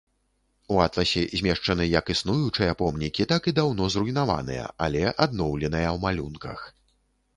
У атласе змешчаны як існуючыя помнікі, так і даўно зруйнаваныя, але адноўленыя ў малюнках.